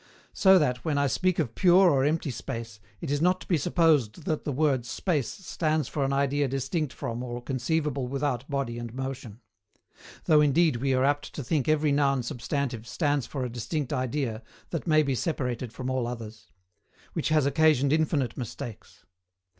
So that when I speak of pure or empty space, it is not to be supposed that the word "space" stands for an idea distinct from or conceivable without body and motion though indeed we are apt to think every noun substantive stands for a distinct idea that may be separated from all others; which has occasioned infinite mistakes.